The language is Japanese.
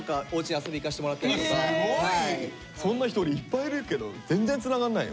最近そんな人俺いっぱいいるけど全然つながんないよ。